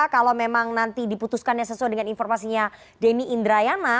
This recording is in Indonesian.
kalau memang nanti diputuskannya sesuai dengan informasinya denny indrayana